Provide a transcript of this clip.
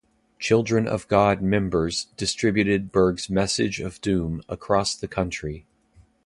Children of God members distributed Berg's message of doom across the country.